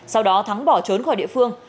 sau đó thắng bỏ trốn khỏi địa phương